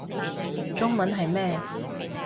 中文係咩